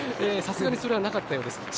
さすがにそれはなかったようです。